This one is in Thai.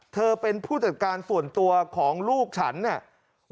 เธอเป็นผู้จัดการส่วนตัวของลูกฉันเนี่ย